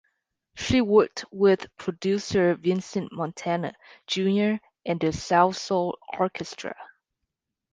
She worked with producer Vincent Montana, Junior and the Salsoul Orchestra.